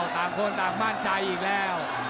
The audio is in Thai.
ต่างคนต่างมั่นใจอีกแล้ว